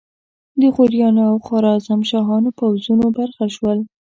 د غوریانو او خوارزمشاهیانو پوځونو برخه شول.